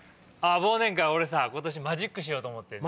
忘年会俺さ今年マジックしようと思ってんねん。